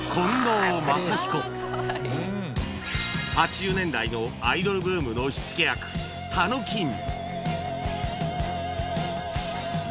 ８０年代のアイドルブームの火付け役たのきん